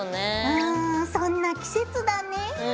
うんそんな季節だねぇ。